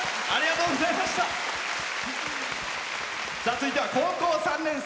続いては高校３年生。